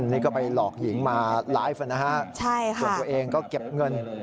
นี่ก็ไปหลอกหญิงมาไลฟ์นะฮะส่วนตัวเองก็เก็บเงิน